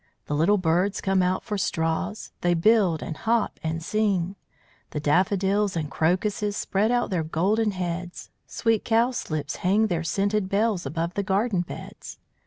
The little birds come out for straws; They build, and hop, and sing. The daffodils and crocuses Spread out their golden heads; Sweet cowslips hang their scented bells Above the garden beds.